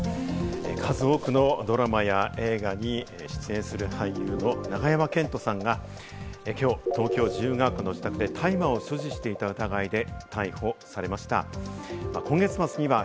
数多くのドラマや映画に出演してきた、俳優の永山絢斗さんがきのう、東京・自由が丘の自宅で大麻を所持していた疑いで警視庁に逮捕されました。